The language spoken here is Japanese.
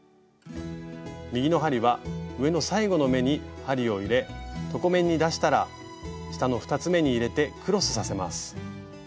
右の針は上の最後の目に針を入れ床面に出したら下の２つめに入れてクロスさせます。